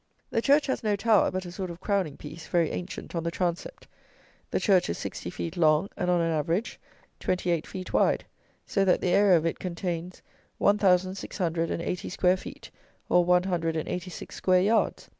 The church has no tower, but a sort of crowning piece (very ancient) on the transept. The church is sixty feet long, and, on an average, twenty eight feet wide; so that the area of it contains one thousand six hundred and eighty square feet; or, one hundred and eighty six square yards!